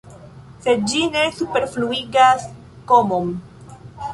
Sed ĝi ne superfluigas komon.